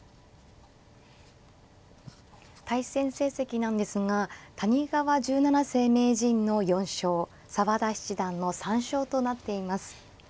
対戦成績なんですが谷川十七世名人の４勝澤田七段の３勝となっています。